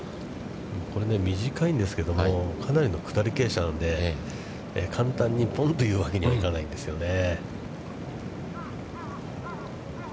これね、短いんですけども、かなりの下り傾斜なんで、簡単にぽんというわけには行かないんですよね。